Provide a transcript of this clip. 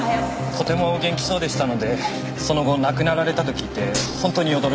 とてもお元気そうでしたのでその後亡くなられたと聞いて本当に驚きました。